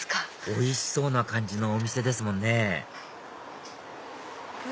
おいしそうな感じのお店ですもんね